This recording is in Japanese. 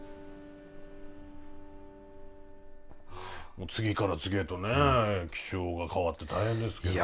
もう次から次へとね気象が変わって大変ですけどね。